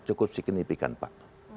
cukup signifikan pak